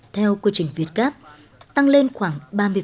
theo quy trình việt gap tăng lên khoảng ba mươi